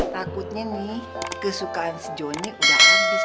takutnya nih kesukaan si jonny udah abis di pasar